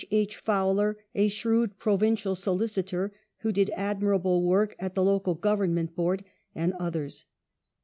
H. Powler, a shrewd provincial solicitor, who did admirable work at the Local Government Board, and othei s.